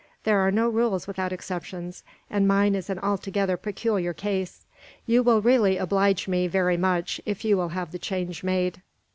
"There are no rules without exceptions, and mine is an altogether peculiar case. You will really oblige me, very much, if you will have the change made.